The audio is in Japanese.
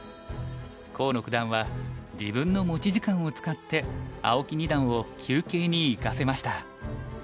河野九段は自分の持ち時間を使って青木二段を休憩に行かせました。